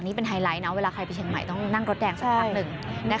นี่เป็นไฮไลท์นะเวลาใครไปเชียงใหม่ต้องนั่งรถแดงสักพักหนึ่ง